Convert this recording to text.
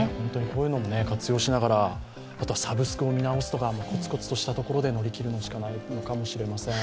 こういうのも活用しながら、サブスクを見直すとかこつこつしたところで乗り切るのかもしれません。